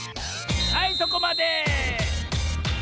はいそこまで！